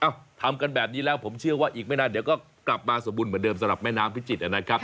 ทำกันแบบนี้แล้วผมเชื่อว่าอีกไม่นานเดี๋ยวก็กลับมาสมบูรณเหมือนเดิมสำหรับแม่น้ำพิจิตรนะครับ